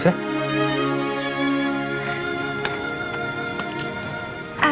oh ada titipan